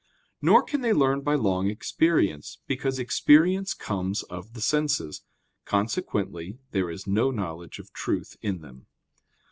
Nor can they learn by long experience: because experience comes of the senses. Consequently there is no knowledge of truth in them.